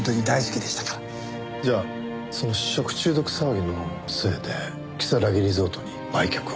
じゃあその食中毒騒ぎのせいで如月リゾートに売却を？